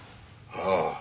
ああ。